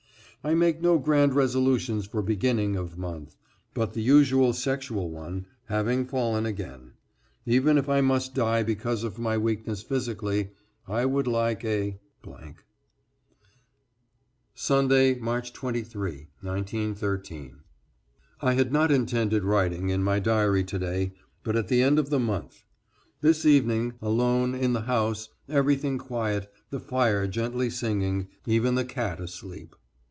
I make no grand resolutions for beginning [of month], but the usual sexual one, having fallen again. Even if I must die because of my weakness physically I would like a =, Sunday, March 23, 1913.= I had not intended writing in my diary to day, but at the end of the month. This evening, alone in the house, everything quiet, the fire gently singing, even the cat asleep.